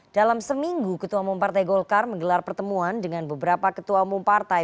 dalam seminggu ketua umum partai golkar menggelar pertemuan dengan beberapa ketua umum partai